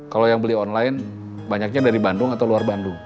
kalau yang beli online banyaknya dari bandung atau luar bandung